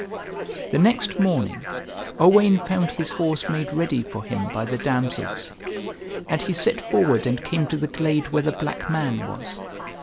The next morning Owain found his horse made ready for him by the damsels, and he set forward and came to the glade where the black man was.